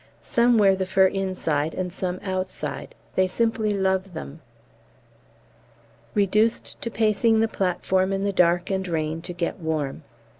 Some wear the fur inside and some outside; they simply love them. Reduced to pacing the platform in the dark and rain to get warm.